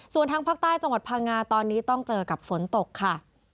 ส่วนทางภาคใต้จังหวัดพังงาตอนนี้ต้องเจอกับฝนตกค่ะ